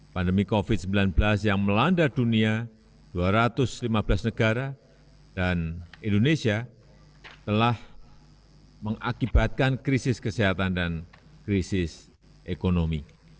pandemi covid sembilan belas yang melanda dunia dua ratus lima belas negara dan indonesia telah mengakibatkan krisis kesehatan dan krisis ekonomi